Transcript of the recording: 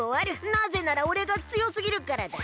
なぜならおれがつよすぎるからだ！